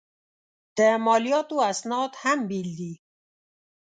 د مالیاتو اسناد هم بېل دي.